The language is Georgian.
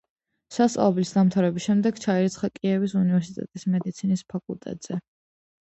სასწავლებლის დამთავრების შემდეგ ჩაირიცხა კიევის უნივერსიტეტის მედიცინის ფაკულტეტზე.